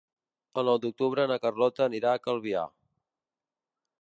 El nou d'octubre na Carlota anirà a Calvià.